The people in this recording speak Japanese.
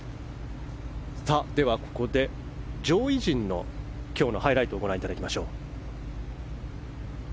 では、ここで上位陣の今日のハイライトをご覧いただきましょう。